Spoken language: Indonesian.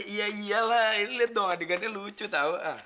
iya iyalah ini lihat dong adegannya lucu tahu